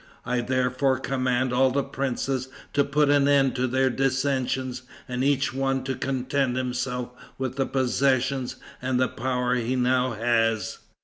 I therefore command all the princes to put an end to their dissensions and each one to content himself with the possessions and the power he now has."